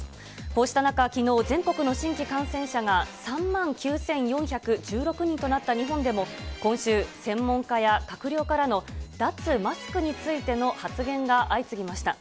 こうした中、きのう、全国の新規感染者が３万９４１６人となった日本でも、今週、専門家や閣僚からの脱マスクについての発言が相次ぎました。